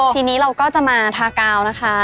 ทีนี้เราก็จะมาทากาวนะคะ